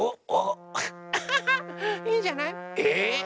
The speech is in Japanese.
アハハいいんじゃない？え？